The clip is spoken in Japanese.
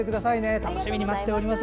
楽しみに待っております。